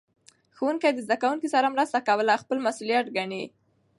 ښوونکي د زده کوونکو سره مرسته کول خپل مسؤلیت ګڼي.